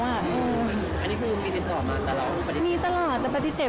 อันนี้คือมีติดต่อมาตลอดหรือปฏิเสธ